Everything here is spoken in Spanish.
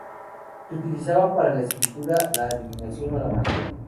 Se utilizaban para la escritura, la adivinación o la magia.